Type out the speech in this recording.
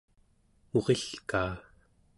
murilkaa